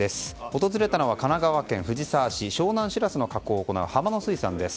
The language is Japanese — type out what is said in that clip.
訪れたのは神奈川県藤沢市湘南しらすの加工を行う浜野水産です。